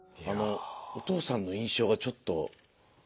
あのお父さんの印象がちょっと。